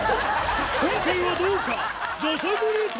今回はどうか？